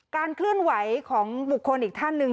เคลื่อนไหวของบุคคลอีกท่านหนึ่ง